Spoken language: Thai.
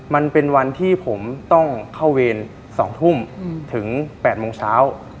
มันเป็นวันที่ผมต้องเข้าเวร๒ทุ่มถึง๘โมงเช้า